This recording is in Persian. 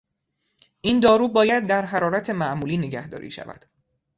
این دارو باید در حرارت معمولی نگهداری شود.